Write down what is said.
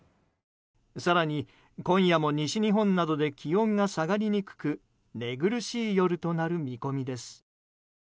更に今夜も西日本などで気温が下がりにくく寝苦しい夜となる見込みです。